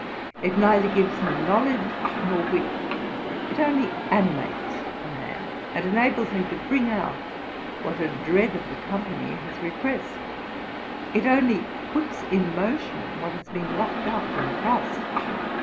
It neither gives him knowledge nor wit; it only animates a man, and enables him to bring out what a dread of the company has repressed. It only puts in motion what has been locked up in frost.